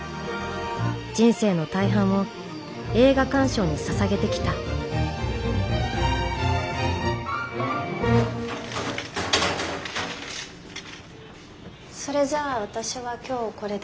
人生の大半を映画鑑賞にささげてきたそれじゃ私は今日これで。